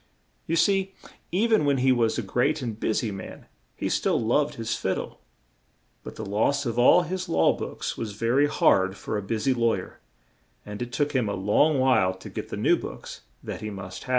You see e ven when he was a great and bu sy man he still loved his fid dle; but the loss of all his law books was ve ry hard for a bu sy law yer, and it took him a long while to get the new books that he must have.